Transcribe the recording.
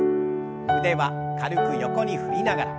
腕は軽く横に振りながら。